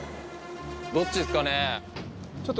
どっちですかね。